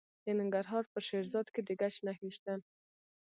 د ننګرهار په شیرزاد کې د ګچ نښې شته.